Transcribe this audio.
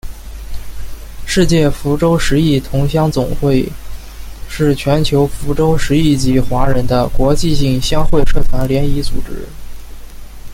世界福州十邑同乡总会是全球福州十邑籍华人的国际性乡会社团联谊组织。